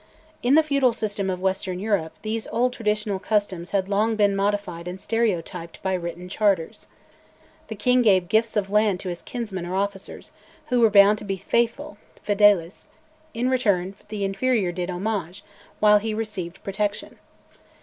In the feudal system of western Europe these old traditional customs had long been modified and stereotyped by written charters. The King gave gifts of land to his kinsmen or officers, who were bound to be "faithful" (fideles); in return the inferior did homage, while he received protection.